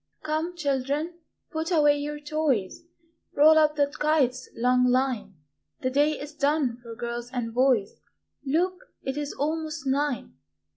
"Come, children, put away your toys; Roll up that kite's long line; The day is done for girls and boys Look, it is almost nine!